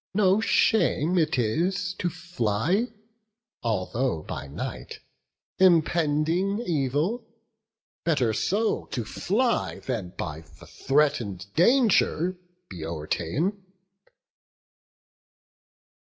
No shame it is to fly, although by night, Impending evil; better so to fly Than by the threaten'd danger be o'erta'en."